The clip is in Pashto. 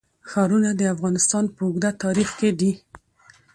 ښارونه د افغانستان په اوږده تاریخ کې دي.